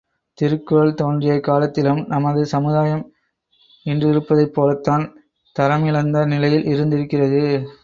திருக்குறள் தோன்றிய காலத்திலும் நமது சமுதாயம் இன்றிருப்பதைப் போலத்தான் தரமிழந்த நிலையில் இருந்திருக்கிறது.